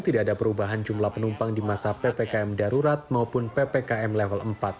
tidak ada perubahan jumlah penumpang di masa ppkm darurat maupun ppkm level empat